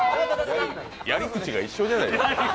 やり口が一緒じゃないですか。